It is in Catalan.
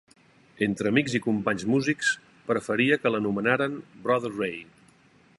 Entre amics i companys músics, preferia que l'anomenaren Brother Ray.